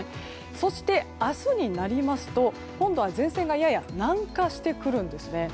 そして、明日になりますと今度は前線がやや南下してくるんですね。